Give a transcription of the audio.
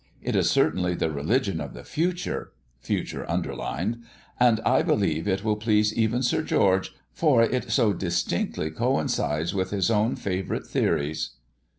It is certainly the religion of the future' future underlined 'and I believe it will please even Sir George, for it so distinctly coincides with his own favourite theories.'